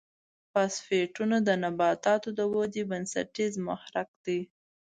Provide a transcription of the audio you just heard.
فاسفیټونه د نباتاتو د ودې بنسټیز محرک دی.